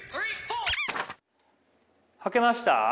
はけました？